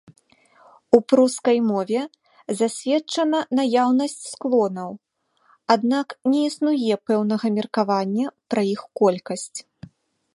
У прускай мове засведчана наяўнасць склонаў, аднак не існуе пэўнага меркавання пра іх колькасць.